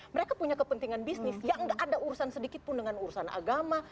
mereka punya kepentingan bisnis yang nggak ada urusan sedikitpun dengan urusan agama